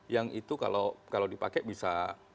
yang itu kalau dipakai bisa